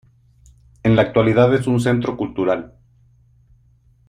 En la actualidad es un centro cultural.